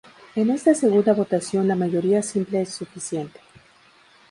En esta segunda votación la mayoría simple es suficiente.